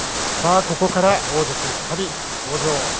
ここからは大関２人登場です。